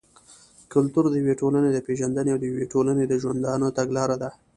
کلتور د يوې ټولني د پېژندني او د يوې ټولني د ژوندانه تګلاره ده.